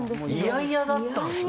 嫌々だったんですね。